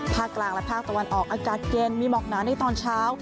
ภาคกลางและภาคตะวันออกอากาศเย็นมีหมอกหนาในตอนเช้า